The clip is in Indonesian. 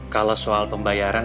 kalau soal pembayaran